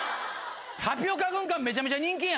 タピオカ軍艦めちゃめちゃ人気やん。